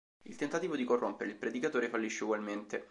Il tentativo di corrompere il predicatore fallisce ugualmente.